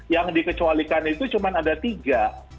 yang dikecualikan itu cuma ada tiga